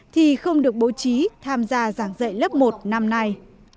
thì không được bố trí tham gia giảng dạy lớp một năm nay